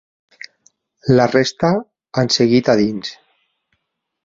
La resta, han seguit a dins.